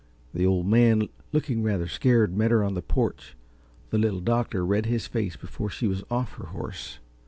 The Old Man, looking rather scared, met her on the porch. The Little Doctor read his face before she was off her horse.